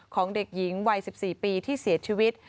ของเด็กหญิงวัย๑๔ปีที่เสียชีวิต